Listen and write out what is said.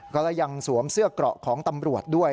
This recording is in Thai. ก็ยังสวมเสื้อเกราะของตำรวจด้วย